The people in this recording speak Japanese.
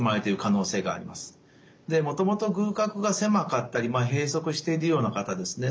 でもともと隅角が狭かったり閉塞しているような方ですね